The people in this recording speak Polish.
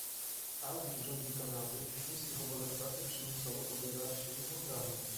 Azji w rządzie Kanady, w Chińskich obozach pracy przymusowo pobiera się im organy